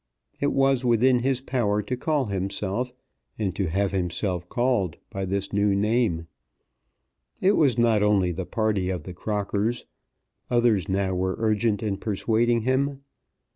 It was within his power to call himself and to have himself called by this new name. It was not only the party of the Crockers. Others now were urgent in persuading him.